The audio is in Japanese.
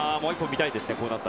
みたいですね。